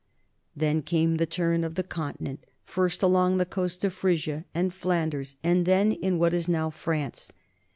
Then came the turn of the Continent, first along the coast of Frisia and Flanders, and then in what is now France.